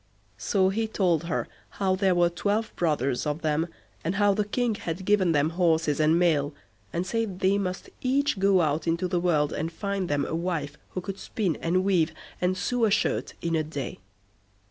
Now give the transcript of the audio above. So he told her how there were twelve brothers of them, and how the King had given them horses and mail, and said they must each go out into the world and find them a wife who could spin, and weave, and sew a shirt in a day.